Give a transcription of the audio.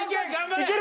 いける！